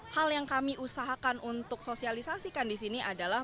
hal yang kami usahakan untuk sosialisasikan di sini adalah